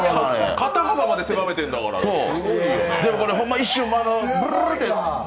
肩幅まで狭めてるんだから、すごいよね。